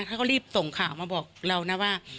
เขาก็รีบส่งข่าวมาบอกเรานะว่า